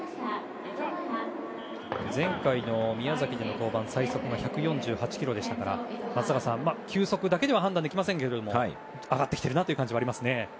前回の宮崎での登板最速が１４８キロでしたから松坂さん球速だけでは判断できませんが上がってきているなという感じはありますね。